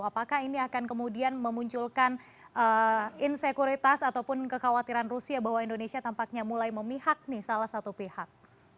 apakah ini akan kemudian memunculkan insekuritas ataupun kekhawatiran rusia bahwa indonesia tampaknya mulai memihak nih salah satu pihak